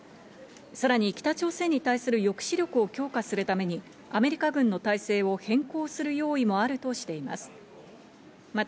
さらに北朝鮮に対する抑止力を強化するためにアメリカ軍の態勢を変更する用意もあるとしています。